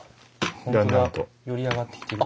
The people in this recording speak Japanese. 本当だより上がってきてる。